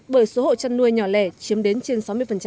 bởi số hộ chăn nuôi nhỏ lẻ chiếm đến trên sáu mươi